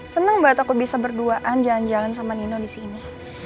seneng banget aku bisa berduaan jalan jalan sama nino disini